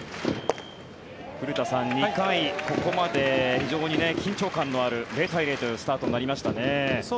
古田さん、２回、ここまで非常に緊張感のある０対０というスタートになりましたね。